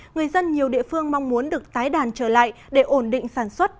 người dân nhiều địa phương mong muốn được tái đàn trở lại để ổn định sản xuất